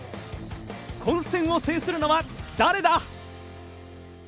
混戦を制するのは誰だ？